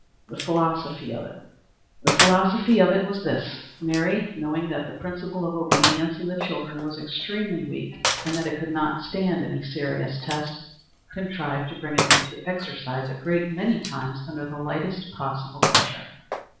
The Philosophy of it. The philosophy of it was this: Mary, knowing that the principle of obedience in the children was extremely weak, and that it could not stand any serious test, contrived to bring it into exercise a great many times under the lightest possible pressure.